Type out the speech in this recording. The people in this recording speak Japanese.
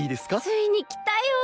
ついにきたよ！